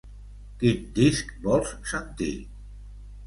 Quin disc vols sentir?